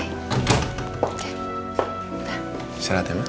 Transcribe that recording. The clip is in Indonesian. istirahat ya ma